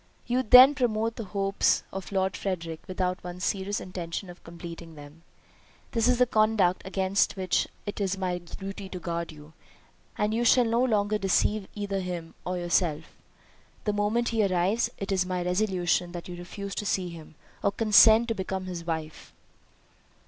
"You then promote the hopes of Lord Frederick without one serious intention of completing them? This is a conduct against which it is my duty to guard you, and you shall no longer deceive either him or yourself. The moment he arrives, it is my resolution that you refuse to see him, or consent to become his wife."